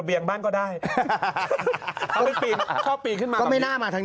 ียงบ้างก็ได้เขาไปปีนชอบปีนขึ้นมาก็ไม่น่ามาทาง